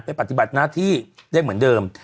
ปฏิบัติหน้าที่ได้เหมือนเดิม